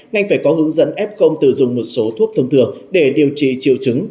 ngành phải có hướng dẫn f từ dùng một số thuốc thông thường để điều trị triệu chứng